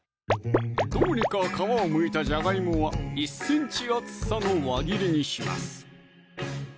どうにか皮をむいたじゃがいもは１ｃｍ厚さの輪切りにします